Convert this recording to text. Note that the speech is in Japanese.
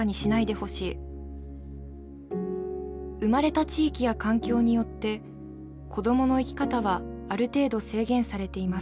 生まれた地域や環境によって子どもの生き方はある程度制限されています。